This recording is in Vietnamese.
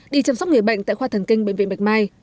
đi chăm sóc người bệnh tại khoa thần kinh bệnh viện bạch mai